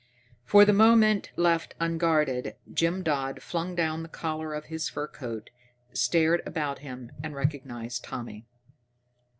For the moment left unguarded, Jim Dodd flung down the collar of his fur coat, stared about him, and recognized Tommy.